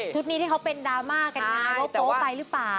นี้ที่เขาเป็นดราม่ากันไงว่าโป๊ไปหรือเปล่า